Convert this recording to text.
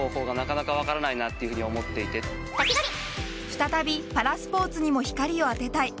再びパラスポーツにも光を当てたい。